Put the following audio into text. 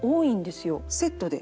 セットで？